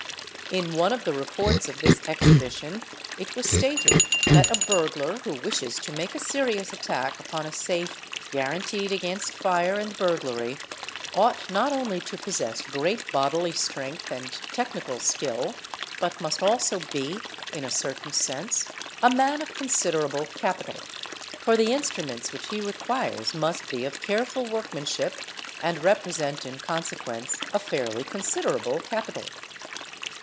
In one of the reports of this exhibition it was stated that a burglar who "Wishes to make a serious attack upon a safe guaranteed against fire and burglary ought not only to possess great bodily strength and technical skill but must also be, in a certain sense, a "'man of considerable capital", r the instruments which'he requires must be of careful workmanship and present in consequence a fairly considerable capital.